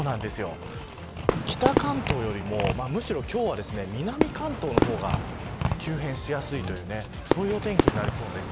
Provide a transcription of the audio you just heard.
北関東よりもむしろ今日は、南関東の方が急変しやすいというそういうお天気になりそうです。